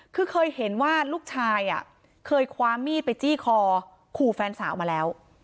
คือเคยเห็นว่าลูกชายเคยคว้ามีดไปจี้คอขู่แฟนสาวมาแล้ว